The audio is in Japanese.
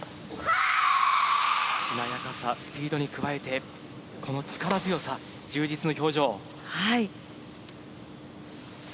しなやかさスピードに加えて、この力強さ、充実の表情。